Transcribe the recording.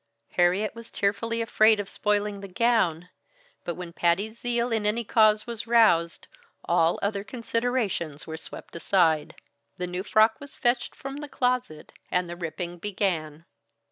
Harriet was tearfully afraid of spoiling the gown. But when Patty's zeal in any cause was roused, all other considerations were swept aside. The new frock was fetched from the closet, and the ripping began.